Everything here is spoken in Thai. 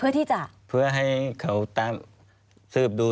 ควิทยาลัยเชียร์สวัสดีครับ